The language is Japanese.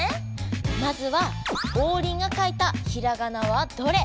まずは「オウリンが書いたひらがなはどれ？」。